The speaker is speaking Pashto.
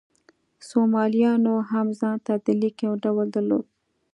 سومالیایانو هم ځان ته د لیک یو ډول درلود.